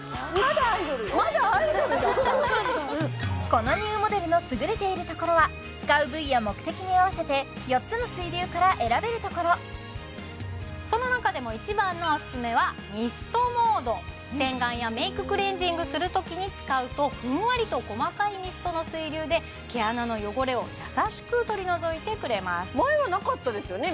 このニューモデルのすぐれているところは使う部位や目的に合わせて４つの水流から選べるところその中でも一番のおすすめはミストモード洗顔やメイククレンジングするときに使うとふんわりと細かいミストの水流で毛穴の汚れを優しく取り除いてくれます前はなかったですよね？